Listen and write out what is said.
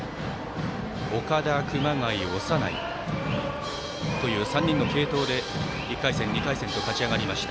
岡田、熊谷、長内という３人の継投で、１回戦、２回戦と勝ち上がりました。